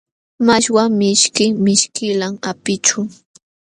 Mashwa mishki mishkillam apićhu.